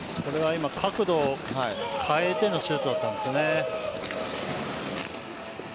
角度を変えてのシュートだったんですよね。